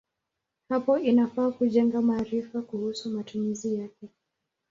Hapo inafaa kujenga maarifa kuhusu matumizi yake.